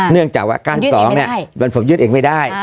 เนื่องจากว่า๙๒เนี่ยผมยื่นเองไม่ได้